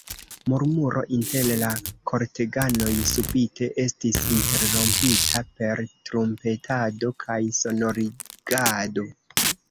Murmuro inter la korteganoj subite estis interrompita per trumpetado kaj sonorigado.